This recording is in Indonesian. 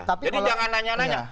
jadi jangan nanya nanya